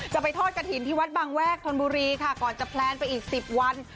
จะไปทอดกระถิ่นที่วัดบางแวกธนบุรีค่ะก่อนจะแพลนไปอีก๑๐วัน